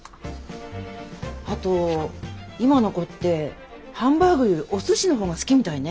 あと今の子ってハンバーグよりお寿司のほうが好きみたいね。